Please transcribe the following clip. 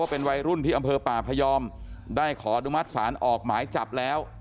เป็นวัยรุ่นที่อำเภอป่าพยอมได้ขออนุมัติศาลออกหมายจับแล้ว